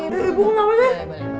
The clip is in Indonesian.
dari bunga apa sih